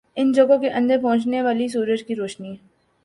ان جگہوں کے اندر پہنچنے والی سورج کی روشنی